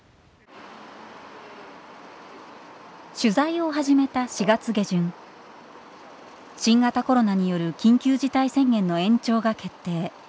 取材を始めた４月下旬新型コロナによる緊急事態宣言の延長が決定。